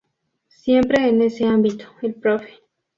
Siempre en este ámbito, el Prof.